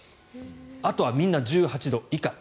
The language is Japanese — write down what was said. あとはみんな１８度以下。